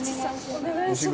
お願いします。